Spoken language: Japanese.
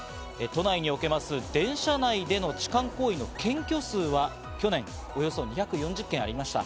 都内におけます電車内での痴漢行為の検挙数は去年およそ２４０件ありました。